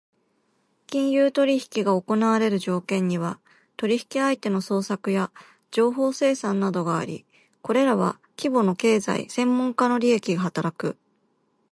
金融取引が行われる条件には、取引相手の探索や情報生産などがあり、これらは規模の経済・専門家の利益が働く。